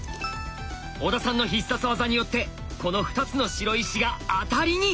小田さんの必殺技によってこの２つの白石がアタリに！